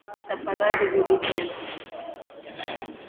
Tafadhali rudi tena